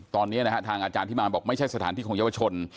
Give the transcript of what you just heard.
ตอนนี้นะฮะทางอาจารย์ที่มาบอกไม่ใช่สถานที่ของเยาวชน